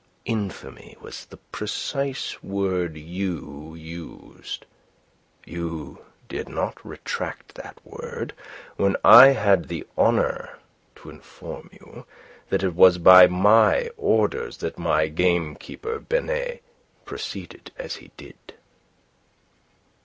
Infamy was the precise word you used. You did not retract that word when I had the honour to inform you that it was by my orders that my gamekeeper Benet proceeded as he did."